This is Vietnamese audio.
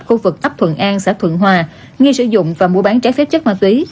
khu vực ấp thuận an xã thuận hòa nghi sử dụng và mua bán trái phép chất ma túy